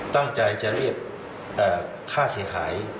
ตั้งใจจะเรียกค่าเสียหาย